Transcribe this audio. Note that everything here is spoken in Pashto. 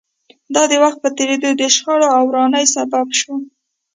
دا د وخت په تېرېدو د شخړو او ورانۍ سبب شوه